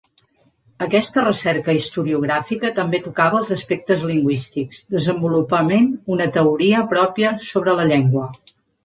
Aquesta recerca historiogràfica també tocava els aspectes lingüístics, desenvolupament una teoria pròpia sobre la llengua.